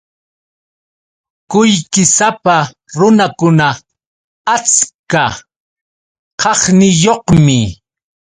Qullqisapa runakuna achka kaqniyuqmi.